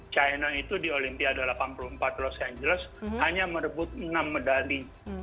china itu di olimpiade delapan puluh empat los angeles hanya merebut enam medali